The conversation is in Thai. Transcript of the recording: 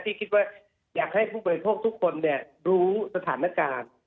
ที่คิดว่าอยากให้ผู้บริโภคทุกคนรู้สถานการณ์